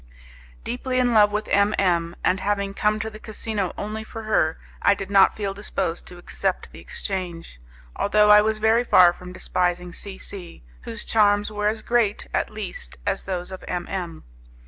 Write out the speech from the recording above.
Deeply in love with M M , and having come to the casino only for her, I did not feel disposed to accept the exchange, although I was very far from despising C C , whose charms were as great, at least, as those of M M